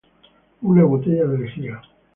Una botella de lejía